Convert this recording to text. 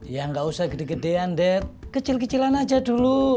ya nggak usah gede gedean deh kecil kecilan aja dulu